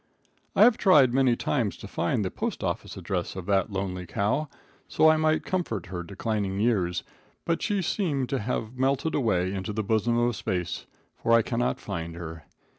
I have tried many times to find the postoffice address of that lonely cow, so I might comfort her declining years, but she seemed to have melted away into the bosom of space, for I cannot find her.